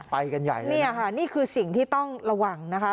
ไปกันใหญ่เลยนะครับโอ้โฮนี่คือสิ่งที่ต้องระวังนะคะ